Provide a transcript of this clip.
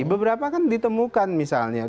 beberapa kan ditemukan misalnya